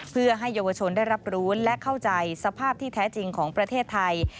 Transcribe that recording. เพื่อให้เยาวชนได้รับรู้และเข้าใจสภาพที่แท้จริงของประเทศไทย